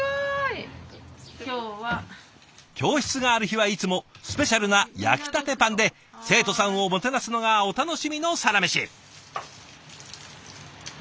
教室がある日はいつもスペシャルな焼きたてパンで生徒さんをもてなすのがお楽しみのサラメシ。